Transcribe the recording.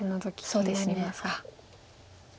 そうですね。